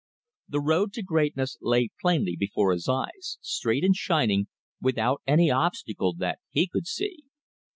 The road to greatness lay plainly before his eyes, straight and shining, without any obstacle that he could see.